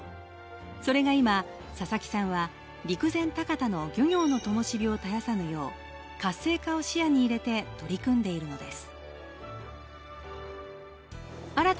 それが今、佐々木さんは陸前高田の漁業のともしびを絶やさぬよう、活性化を視野に入れて取り組んでいるのです。